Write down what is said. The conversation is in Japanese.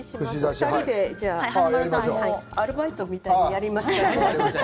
２人で、じゃあアルバイトみたいにやりましょう。